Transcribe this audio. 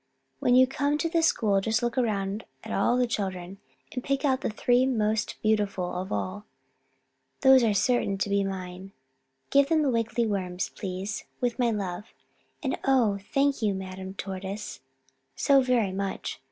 When you come to the school just look around at all the children, and pick out the three most beautiful of all. Those are certain to be mine. Give them the wiggly worms, please, with my love. And oh, thank you, Madame Tortoise, so very much!